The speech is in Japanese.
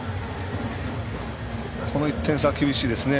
この１点差は厳しいですね。